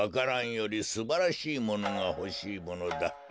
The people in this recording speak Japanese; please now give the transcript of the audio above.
蘭よりすばらしいものがほしいものだ。